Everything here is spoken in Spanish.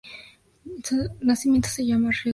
En su nacimiento se llama "Rego da Illa".